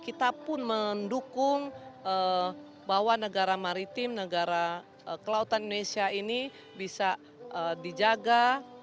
kita pun mendukung bahwa negara maritim negara kelautan indonesia ini bisa dijaga